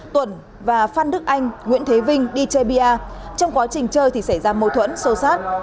tuẩn và phan đức anh nguyễn thế vinh đi chơi bia trong quá trình chơi thì xảy ra mâu thuẫn sô sát